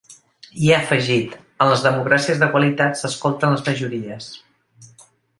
I ha afegit: En les democràcies de qualitat s’escolten les majories.